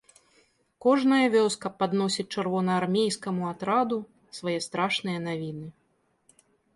Кожная вёска падносіць чырвонаармейскаму атраду свае страшныя навіны.